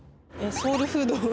ソウルフード。